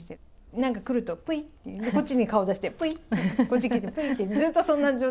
なんかくると、ぷいって、こっちに顔出して、ぷいって、こっち来てぷいってずっとそんな感じ。